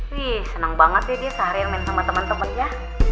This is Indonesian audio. wih senang banget ya dia seharian main sama teman temannya